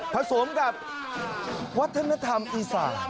ผสมกับวัฒนธรรมอีสาน